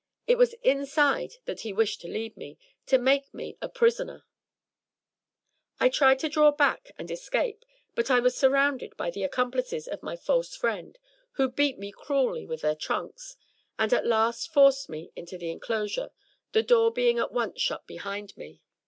It was inside that he wished to lead me, to make me a prisoner! 154 THE TREASURE CHEST I tried to draw back and escape, but I was surrounded by the accomplices of my false friend, who beat me cruelly with their tnmks, and at last forced me into the enclosure — the door being at once shut behind me.